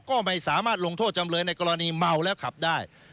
ก็ไม่สามารถลงโทษจำเลยในกรณีเมาแล้วขับได้